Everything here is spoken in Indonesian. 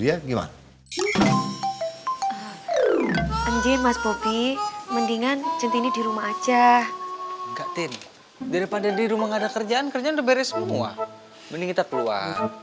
ya gimana enggak tin daripada di rumah ada kerjaan kerja beres semua mending kita keluar